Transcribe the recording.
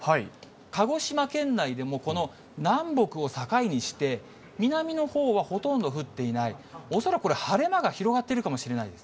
鹿児島県内でもこの南北を境にして、南の方はほとんど降っていない、恐らくこれ、晴れ間が広がっているかもしれないです。